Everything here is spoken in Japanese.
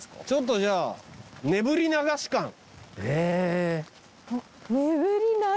ちょっとじゃあねぶり流し館。